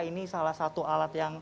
ini salah satu anggaran yang saya inginkan